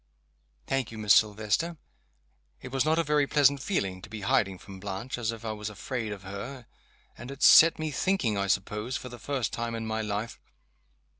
"Thank you, Miss Silvester. It was not a very pleasant feeling, to be hiding from Blanche as if I was afraid of her and it's set me thinking, I suppose, for the first time in my life.